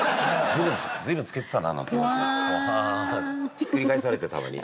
ひっくり返されてたまに。